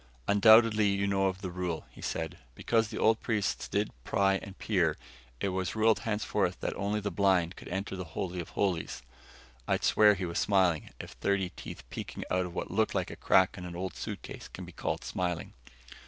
"Undoubtedly you know of the rule," he said. "Because the old priests did pry and peer, it was ruled henceforth that only the blind could enter the Holy of Holies." I'd swear he was smiling, if thirty teeth peeking out of what looked like a crack in an old suitcase can be called smiling.